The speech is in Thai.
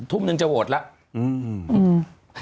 ทุ่มนึงจะครีบแล้ว